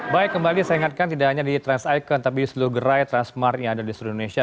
baik kembali saya ingatkan tidak hanya di trans icon tapi di seluruh gerai transmart yang ada di seluruh indonesia